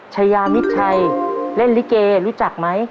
ชายามิดชัยเล่นลิเกรู้จักไหม